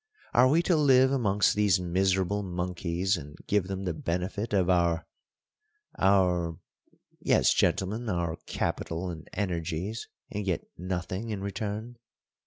Are we to live amongst these miserable monkeys and give them the benefit of our our yes, gentlemen, our capital and energies, and get nothing in return?